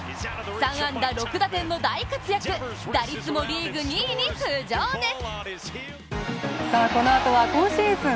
３安打６打点の大活躍、打率もリーグ２位に浮上です。